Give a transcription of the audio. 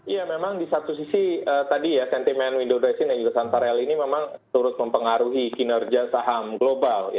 ya memang di satu sisi tadi ya sentimen window dressing dan juga santarel ini memang turut mempengaruhi kinerja saham global